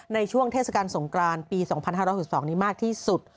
ในช่วงเทศกาลสงกรานปี๒๕๖๒นี้มากที่สุด